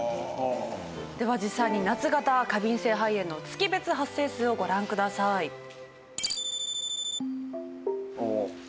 では実際に夏型過敏性肺炎の月別発生数をご覧ください。夏だ。